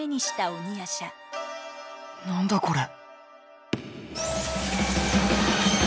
「何だこれ」。